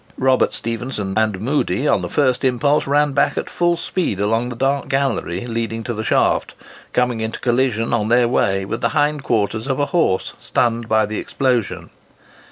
Robert Stephenson and Moodie, on the first impulse, ran back at full speed along the dark gallery leading to the shaft, coming into collision, on their way, with the hind quarters of a horse stunned by the explosion.